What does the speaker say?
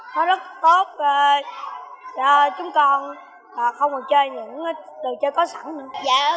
nó rất tốt cho chúng con và không còn chơi những trò chơi có sẵn nữa